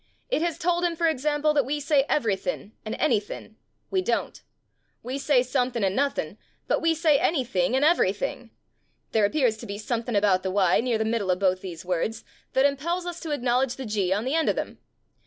It has told him, for example, that we say everythin' sjid anythin\ We don't. We say somethin' and noth%n\ but we say anything and everything. There ap pears to be somethin' about the y near the middle of both these words that impels us to acknowledge the g on the end of them.